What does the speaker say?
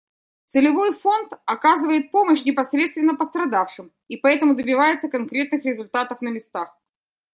Целевой фонд оказывает помощь непосредственно пострадавшим и поэтому добивается конкретных результатов на местах.